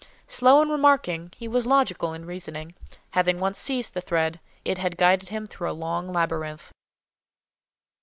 Slow in remarking, he was logical in reasoning: having once seized the thread, it had guided him through a long labyrinth.